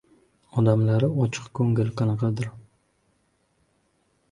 Odamlari ochiqkoʻngil qanaqadir.